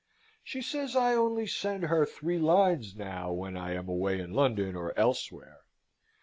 She says I only send her three lines now, when I am away in London or elsewhere.